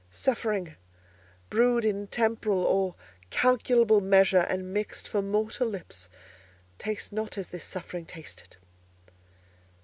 Suffering, brewed in temporal or calculable measure, and mixed for mortal lips, tastes not as this suffering tasted.